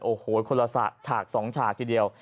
โอ้โหคนละฉาก๒ฉากทีเดียว